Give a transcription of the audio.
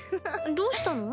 どうしたの？